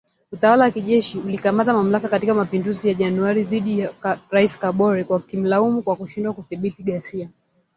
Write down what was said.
Utawala wa kijeshi ulikamata mamlaka katika mapinduzi ya Januari dhidi ya Rais Kabore wakimlaumu kwa kushindwa kudhibiti ghasia .